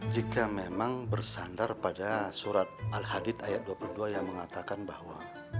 jika memang bersandar pada surat al hadid ayat dua puluh dua yang mengatakan bahwa